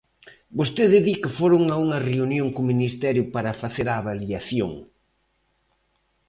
Vostede di que foron a unha reunión co Ministerio para facer a avaliación.